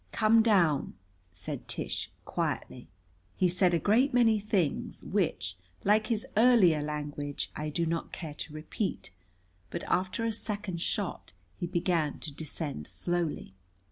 "Come down," said Tish quietly. He said a great many things which, like his earlier language, I do not care to repeat. But after a second shot he began to descend slowly.